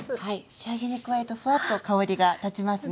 仕上げに加えるとフワッと香りが立ちますね。